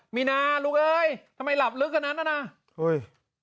มีนาลูกเอ้ยทำไมหลับลึกกว่านั้นน่ะนะเฮ้ย